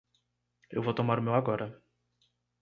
Eu vou tomar o meu agora.